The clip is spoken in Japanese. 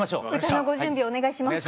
歌のご準備をお願いします。